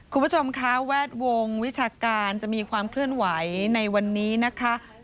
คุณผู้ชมคะแวดวงวิชาการจะมีความเคลื่อนไหวในวันนี้นะคะ